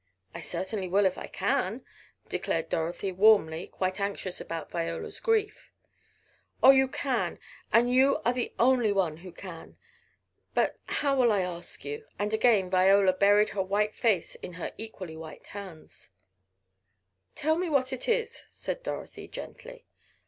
"I certainly will if I can!" declared Dorothy, warmly, quite anxious about Viola's grief. "Oh, you can and you are the only one who can! But how will I ask you?" and again Viola buried her white face in her equally white hands. "Tell me what it is," said Dorothy, gently.